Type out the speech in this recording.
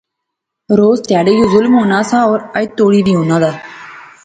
روز تہاڑے یو ظلم ہونا سا اور اج توڑی وی ہونا دا